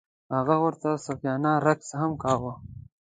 هغه ورته صوفیانه رقص هم کاوه.